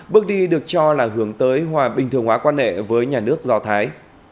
bước đi được cho là hướng tới hòa bình thường hóa quan hệ với nhà nước do thái